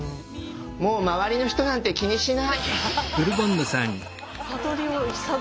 もうまわりの人なんて気にしない！